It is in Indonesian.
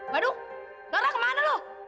waduh laura kemana lo